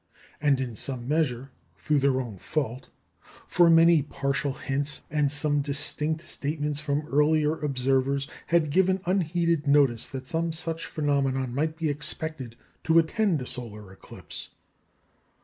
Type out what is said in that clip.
And in some measure through their own fault, for many partial hints and some distinct statements from earlier observers had given unheeded notice that some such phenomenon might be expected to attend a solar eclipse.